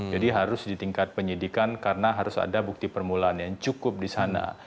jadi harus di tingkat penyelidikan karena harus ada bukti permulaan yang cukup di sana